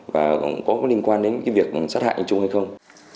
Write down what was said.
và có liên quan đến việc sát hại anh trung hay không